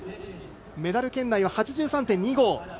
メダル圏内は８３．２５。